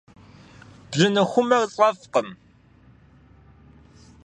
Бжьыныхумэр сфӏэфӏкъым.